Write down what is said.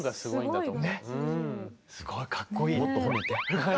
すごいかっこいい。